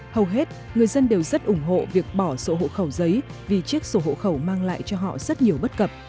hầu hết người dân đều rất ủng hộ việc bỏ sổ hộ khẩu giấy vì chiếc sổ hộ khẩu mang lại cho họ rất nhiều bất cập